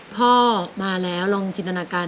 พ่อมาแล้วลองจินตนาการ